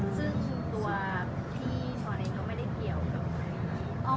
ซึ่งตัวที่สอนในก็ไม่ได้เกี่ยวกับ